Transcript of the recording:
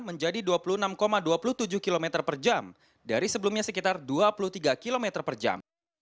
menjadi dua puluh enam dua puluh tujuh km per jam dari sebelumnya sekitar dua puluh tiga km per jam